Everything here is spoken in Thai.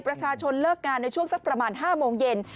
เลิกงานในช่วงสักประมาณ๕โมงเย็น